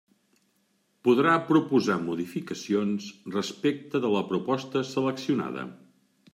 Podrà proposar modificacions respecte de la proposta seleccionada.